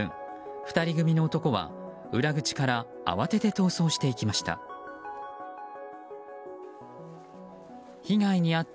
２人組の男は裏口から慌てて逃走していきました。